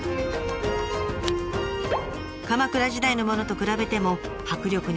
鎌倉時代のものと比べても迫力に欠ける感じです。